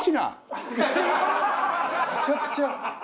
むちゃくちゃ。